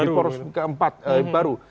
di poros keempat baru